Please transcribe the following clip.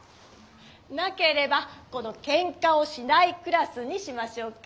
なければこの「ケンカをしないクラス」にしましょうか。